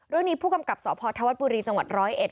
เรื่องนี้ผู้กำกับสพธวัฒนบุรีจังหวัดร้อยเอ็ด